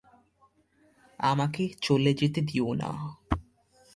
আমাকে চলে যেতে দিও না।